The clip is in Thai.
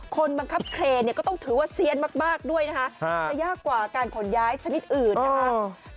คนบังคับเครนเนี่ยก็ต้องถือว่าเซียนมากด้วยนะคะจะยากกว่าการขนย้ายชนิดอื่นนะคะ